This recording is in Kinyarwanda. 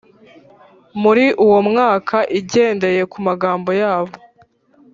muri uwo mwaka igendeye kumagambo yabo